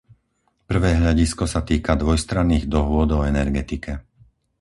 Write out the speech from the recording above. Prvé hľadisko sa týka dvojstranných dohôd o energetike.